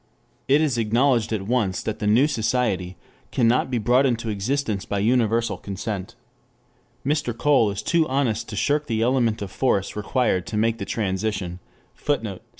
It is acknowledged at once that the new society cannot be brought into existence by universal consent. Mr. Cole is too honest to shirk the element of force required to make the transition. [Footnote: _Cf.